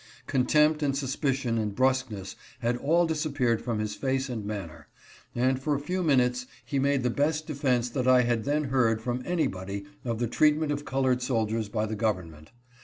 Contempt and suspicion and brusque ness had all disappeared from his face and manner, and THE PROMISE OF SECRETARY STANTON. 425 for a few minutes he made the best defense that I had then heard from anybody of the treatment of colored soldiers by the government.